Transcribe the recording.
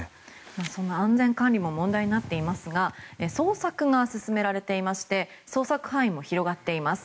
その安全管理も問題になっていますが捜索が進められていまして捜索範囲も広がっています。